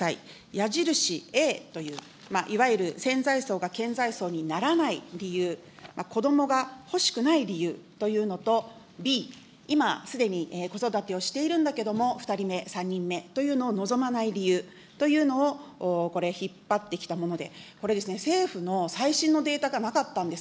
矢印Ａという、いわゆる潜在層が顕在層にならない理由、こどもが欲しくない理由というのと、Ｂ、今すでに子育てをしているんだけれども、２人目、３人目というのを望まない理由というのを、これ、引っ張ってきたもので、これですね、政府の最新のデータがなかったんです。